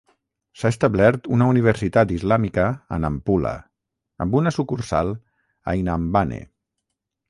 S'ha establert una Universitat Islàmica a Nampula, amb una sucursal a Inhambane.